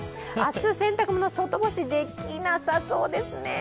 明日洗濯物、外干しできなさそうですね。